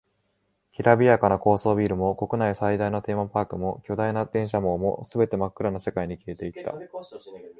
きらびやかな高層ビルも、国内最大のテーマパークも、巨大な電車網も、全て真っ暗な世界に消えていった。